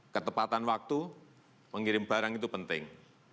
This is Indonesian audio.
ketepatan waktu pengirim barang itu penting